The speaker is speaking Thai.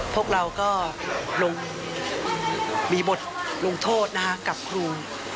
พวกเราก็มีบทลงโทษกับครู